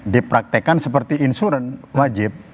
dipraktekan seperti insuran wajib